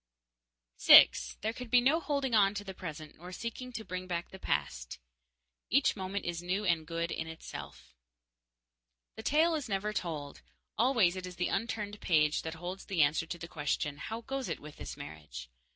6. There can be no holding on to the present nor seeking to bring back the past. Each moment is new and good in itself. The tale is never told. Always it is the unturned page the holds the answer to the question, "How goes it with this marriage?"